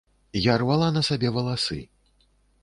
Я рвала на сабе валасы.